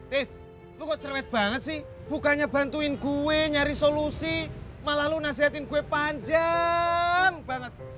tis lo kok cerewet banget sih bukannya bantuin gue nyari solusi malah lo nasihatin gue panjang banget